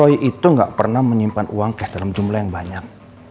dia pernah menyimpan uang cash dalam jumlah yang banyak